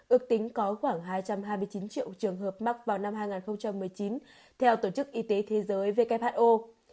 ước tính có khoảng hai trăm hai mươi chín triệu trường hợp mắc vào năm hai nghìn một mươi chín theo tổ chức y tế thế giới who